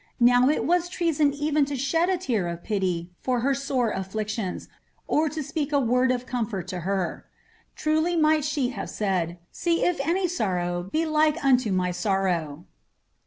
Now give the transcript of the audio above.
Now it was treason even to shed a tear of pity for her sore affliction*, or to apeak a word of comfort lo her. Truly might she have said, "■ See if any sorrow be like unto niy sorrow